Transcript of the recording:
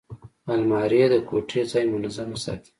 الماري د کوټې ځای منظمه ساتي